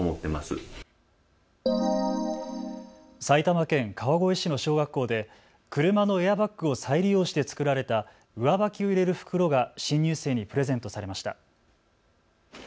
埼玉県川越市の小学校で車のエアバッグを再利用して作られた上履きを入れる袋が新入生にプレゼントされました。